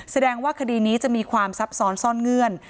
แสดงว่าคดีนี้จะมีความซับซ้อนซ่อนเงื่อน